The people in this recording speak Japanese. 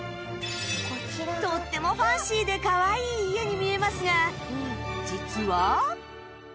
とってもファンシーでかわいい家に見えますが実は